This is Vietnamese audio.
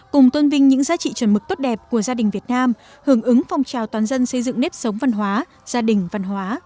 cùng tôn vinh những giá trị chuẩn mực tốt đẹp của gia đình việt nam hưởng ứng phong trào toàn dân xây dựng nếp sống văn hóa gia đình văn hóa